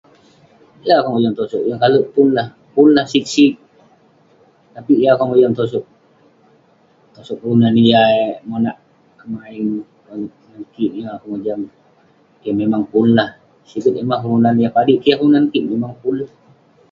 Yeng akouk mojam tosog, yeng kalek pun lah..pun lah sik sik, tapik yeng akouk mojam tosog..tosog kelunan yah eh monak kemaeng..ngan kik, yeng akouk mojam, keh..memang pun lah..sik peh yah kelunan, padik kik, yah kelunan kik memang pun